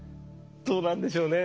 どうなんでしょうね。